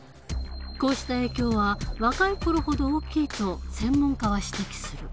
こうした影響は若い頃ほど大きいと専門家は指摘する。